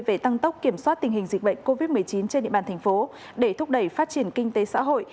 về tăng tốc kiểm soát tình hình dịch bệnh covid một mươi chín trên địa bàn thành phố để thúc đẩy phát triển kinh tế xã hội